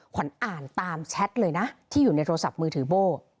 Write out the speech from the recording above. ขวัญอ่านตามแชทเลยนะที่อยู่ในโทรศัพท์มือถือโบ้